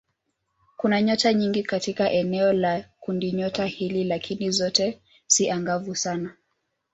Kuna nyota nyingi katika eneo la kundinyota hili lakini zote si angavu sana.